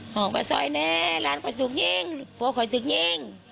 ห้องประสอยเน่ร้านขอยสุกยิ่งหัวขอยสุกยิ่ง